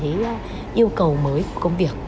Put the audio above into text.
yêu cầu mới của công việc